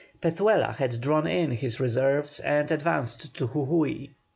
Pezuela had drawn in his reserves and advanced to Jujui.